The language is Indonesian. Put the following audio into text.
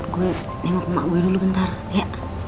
gue nengok emak gue dulu bentar ya